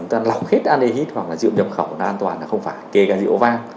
chúng ta lọc hết alehite hoặc là rượu nhập khẩu là an toàn là không phải kể cả rượu vang